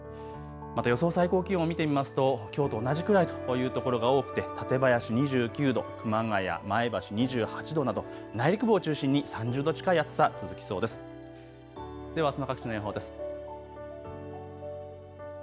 また予想最高気温を見てみますときょうと同じくらいというところが多くて館林２９度、熊谷、前橋、２８度など内陸部を中心に３０度近い暑さ、続きそうです。